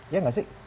iya gak sih